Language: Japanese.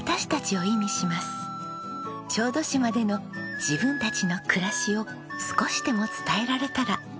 小豆島での自分たちの暮らしを少しでも伝えられたら。